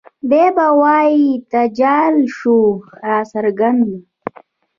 دے به وائي تجال شوه راڅرګنده